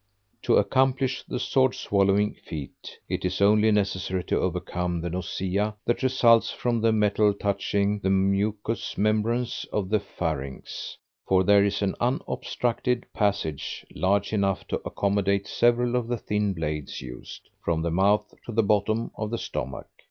To accomplish the sword swallowing feat, it is only necessary to overcome the nausea that results from the metal's touching the mucous membrane of the pharynx, for there is an unobstructed passage, large enough to accommodate several of the thin blades used, from the mouth to the bottom of the stomach.